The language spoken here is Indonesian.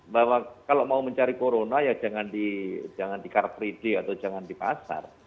bahwa kalau mau mencari corona ya jangan di car free day atau jangan di pasar